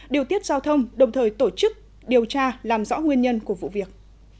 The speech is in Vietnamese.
điều tiết giao thông đồng thời tổ chức điều tra làm rõ nguyên nhân của vụ việc